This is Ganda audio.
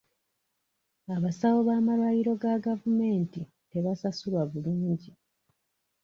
Abasawo b'amalwaliro ga gavumenti tebasasulwa bulungi.